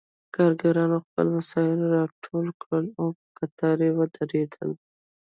کارګرانو خپل وسایل راټول کړل او په قطار ودرېدل